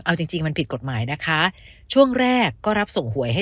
เอาจริงจริงมันผิดกฎหมายนะคะช่วงแรกก็รับส่งหวยให้